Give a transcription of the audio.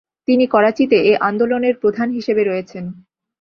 তিনি করাচিতে এ আন্দোলনের প্রধান হিসেবে রয়েছেন।